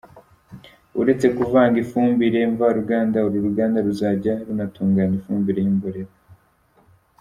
Uretse kuvanga ifumbire mvaruganda, uru ruganda ruzajya runatunganya ifumbire y’imborera.